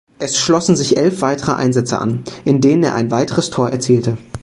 Es schlossen sich elf weitere Einsätze an, in denen er ein weiteres Tor erzielte.